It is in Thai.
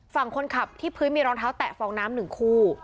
ฝั่งคนขับที่พื้นมีรองเท้าแตะฟองน้ำหนึ่งคู่